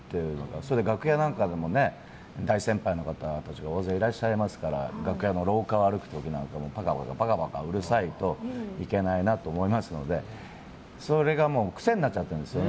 それで楽屋なんかも大先輩の方が大勢いらっしゃいますから楽屋の廊下を歩く時なんかもパカパカうるさいといけないなと思いますのでそれがもう癖になっちゃっているんですよね。